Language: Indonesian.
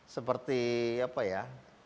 seperti apa ya